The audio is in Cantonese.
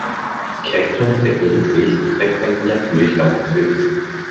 劇中飾演死神的丁一宇常說